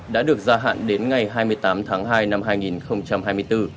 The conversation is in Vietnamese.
đã được gia hạn đến ngày hai mươi tám tháng hai năm hai nghìn hai mươi bốn